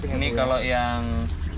ini kalau yang